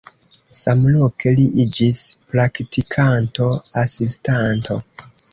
Samloke li iĝis praktikanto, asistanto.